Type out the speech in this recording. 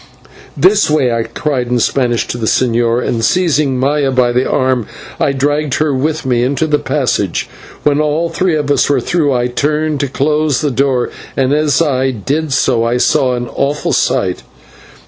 "This way!" I cried in Spanish to the señor, and seizing Maya by the arm I dragged her with me into the passage. When all three of us were through I turned to close the door, and as I did so I saw an awful sight.